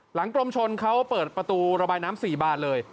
กรมชนเขาเปิดประตูระบายน้ำ๔บานเลย